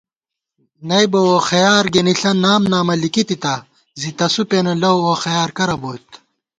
نئیبہ ووخیار گېنِݪہ نام نامہ لِکِتِتا زِی تسُو پېنہ لَؤ ووخَیار کرہ بوئیت